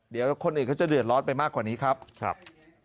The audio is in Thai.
เดี๋ยวคนอื่นเขาจะเดือดร้อนไปมากกว่านี้ครับครับ